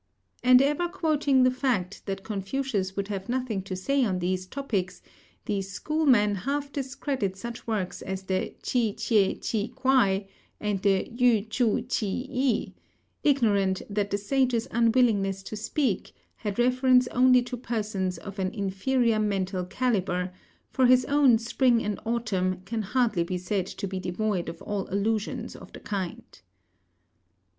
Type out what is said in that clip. And ever quoting the fact that Confucius would have nothing to say on these topics, these schoolmen half discredit such works as the Ch'i chieh chih kuai and the Yü ch'u chi i, ignorant that the Sage's unwillingness to speak had reference only to persons of an inferior mental calibre; for his own Spring and Autumn can hardly be said to be devoid of all allusions of the kind.